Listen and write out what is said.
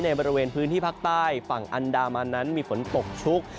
บริเวณพื้นที่ภาคใต้ฝั่งอันดามันนั้นมีฝนตกชุก